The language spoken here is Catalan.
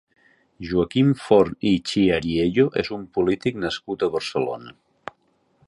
Joaquim Forn i Chiariello és un polític nascut a Barcelona.